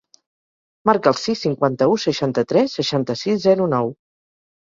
Marca el sis, cinquanta-u, seixanta-tres, seixanta-sis, zero, nou.